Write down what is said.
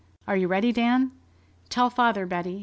Are you ready, Dan? ... Tell father, Betty.